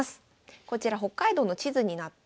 こちら北海道の地図になっています。